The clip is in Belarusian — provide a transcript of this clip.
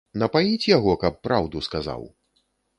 Напаіць яго, каб праўду сказаў?